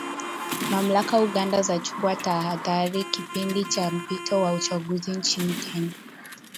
Mamlaka Uganda zachukua tahadhari kipindi cha mpito wa uchaguzi nchini Kenya.